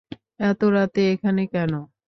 এত রাতে এখানে কেন?